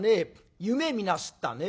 夢見なすったね」。